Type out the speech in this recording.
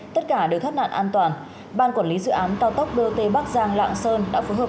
tất cả đều thất nạn an toàn ban quản lý dự án cao tốc đô tê bắc giang lạng sơn đã phù hợp